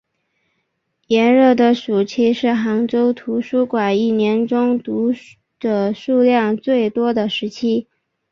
炎热的暑期是杭州图书馆一年中读者数量最多的时期。